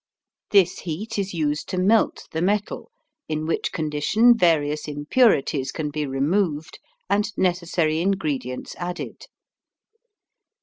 This heat is used to melt the metal, in which condition various impurities can be removed and necessary ingredients added.